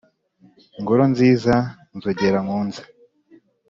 ngoro nziza nzogera nkunze,